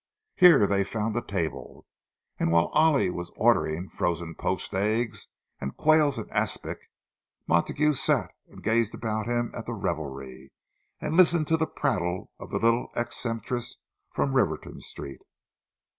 Here they found a table, and while Oliver was ordering frozen poached eggs and quails in aspic, Montague sat and gazed about him at the revelry, and listened to the prattle of the little ex sempstress from Rivington Street.